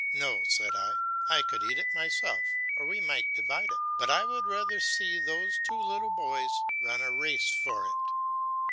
"No," said I, "I could eat it myself, or we might divide it, but I would rather see those two little boys run a race for it."